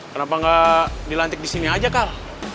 kenapa gak dilantik di sini aja kal